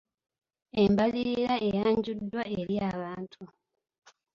Embalirira eyanjuddwa eri abantu.